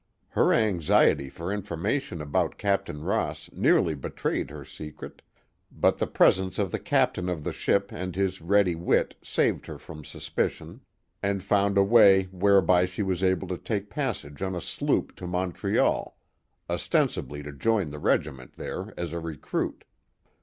Her anxiety for informa tion about Captain Ross nearly betrayed her secret, but the presence of the captain of the ship and his ready wit saved her from suspicion, and found a way whereby she was able to take passage on a sloop to Montreal, ostensibly to join the regiment there as a recruit.